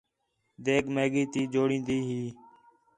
دیگ میگی تی جوڑین٘دی ہی